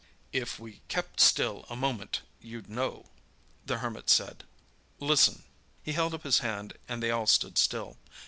"If we kept still a moment you'd know," the Hermit said. "Listen!" He held up his hand and they all stood still.